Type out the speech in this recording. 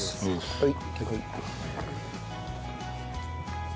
はい。